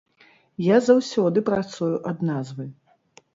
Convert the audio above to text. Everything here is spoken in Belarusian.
Я заўсёды працую ад назвы.